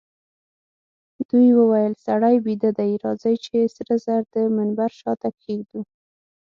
دوی وویل: سړی بیده دئ، راځئ چي سره زر د منبر شاته کښېږدو.